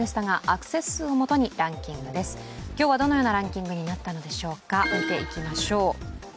今日はどのようなランキングになったのでしょうか、見ていきましょう。